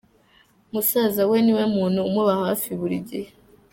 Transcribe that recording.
Musaza we niwe muntu umuba hafi buri gihe.